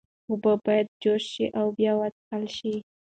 اوبه باید جوش شي او بیا وڅښل شي.